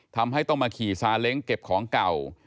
ทำให้ต้องมาขี่ซาเล้งเก็บของเก่า